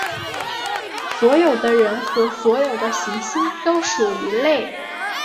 所有的人和所有的行星都属于类。